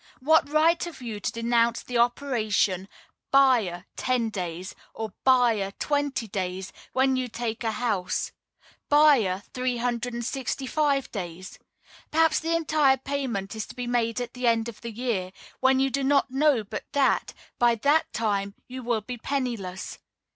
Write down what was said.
What right have you to denounce the operation "buyer ten days" or "buyer twenty days," when you take a house, "buyer three hundred and sixty five days?" Perhaps the entire payment is to be made at the end of a year, when you do not know but that, by that time, you will be penniless.